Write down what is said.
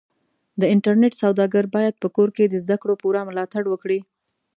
د انټرنېټ سوداګر بايد په کور کې د زدهکړو پوره ملاتړ وکړي.